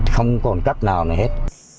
không còn cách nào nữa hết